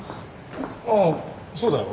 ああそうだよ。